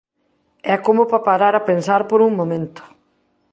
É como para parar a pensar por un momento.